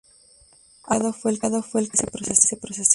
Abraham Delgado fue el cabecilla de este proceso.